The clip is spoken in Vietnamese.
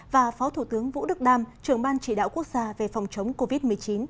và phó thủ tướng vũ đức đam trưởng ban chỉ đạo quốc gia về phòng chống covid một mươi chín